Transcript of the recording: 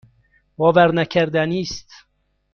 باورنکردنی است.